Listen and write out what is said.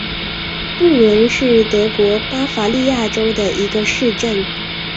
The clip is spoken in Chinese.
布伦是德国巴伐利亚州的一个市镇。